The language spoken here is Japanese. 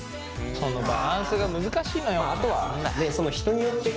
そのバランスが難しいのよ。